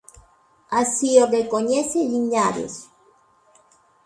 Así o recoñece Liñares.